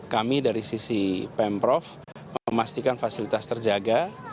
kami dari sisi pemprov memastikan fasilitas terjaga